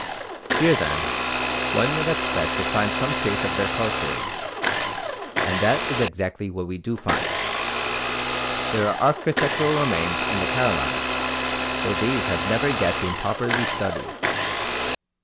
Here, then, one would expect to find some trace of their culture, and that is exactly what we do find. There are architectural remains in the Carolines, though these have never yet been properly studied.